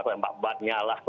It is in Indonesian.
tembak bat nyalah